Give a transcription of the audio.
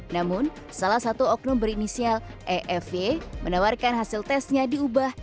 namun salah satu oknum berinisial efy menawarkan hasil tesnya diubah